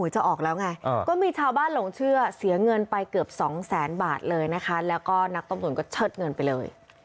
จะออกแล้วไงก็มีชาวบ้านหลงเชื่อเสียเงินไปเกือบสองแสนบาทเลยนะคะแล้วก็นักต้มตุ๋นก็เชิดเงินไปเลย